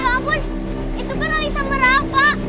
wabun itu kan alisa sama rafa